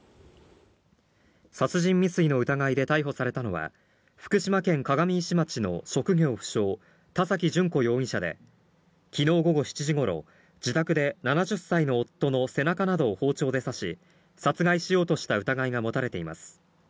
殺人未遂の疑いで逮捕されたのは、福島県鏡石町の職業不詳、田崎淳子容疑者で、きのう午後７時ごろ、自宅で７０歳の夫の背中などを包丁で刺し、殺害しようとした疑いが持たれています。